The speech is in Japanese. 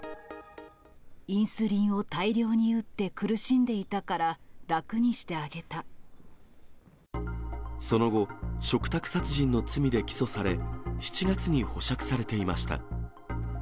インスリンを大量に打って苦その後、嘱託殺人の罪で起訴され、７月に保釈されていました。